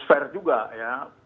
fair juga ya